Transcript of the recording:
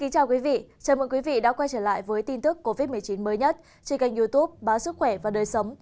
chào mừng quý vị đã quay trở lại với tin tức covid một mươi chín mới nhất trên kênh youtube báo sức khỏe và đời sống